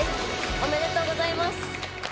おめでとうございます。